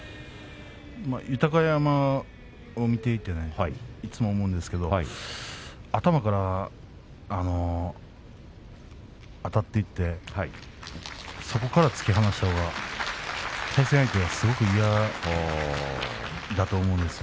豊山を見ていていつも思うんですけれど頭からあたっていってそこから突き放したほうが対戦相手はすごく嫌だと思うんですね。